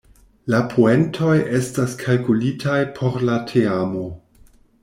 La poentoj estas kalkulitaj por la teamo.